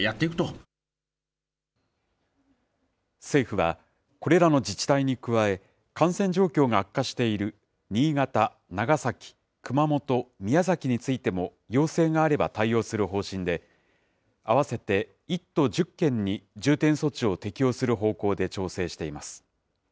政府は、これらの自治体に加え、感染状況が悪化している新潟、長崎、熊本、宮崎についても、要請があれば対応する方針で、合わせて１都１０県に重点措置を適用する方向で調整しています。